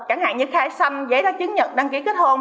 chẳng hạn như khai xanh giấy đá chứng nhật đăng ký kết hôn